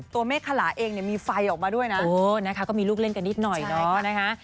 ตัวเมฆขลาล่าเองมีไฟออกมาด้วยนะโอ้นะคะก็มีลูกเล่นกันนิดหน่อยนะคะ